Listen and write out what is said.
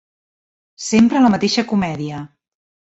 Sempre la mateixa comèdia!